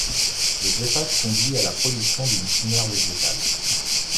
Le greffage conduit à la production d'une chimère végétale.